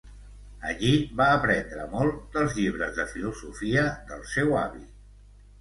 Allí va aprendre molt dels llibres de filosofia del seu avi.